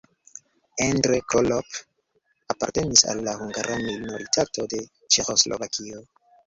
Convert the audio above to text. Endre Krolopp apartenis al la hungara minoritato de Ĉeĥoslovakio.